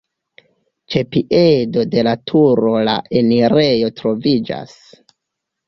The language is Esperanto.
Ĉe piedo de la turo la enirejo troviĝas.